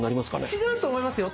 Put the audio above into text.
違うと思いますよ。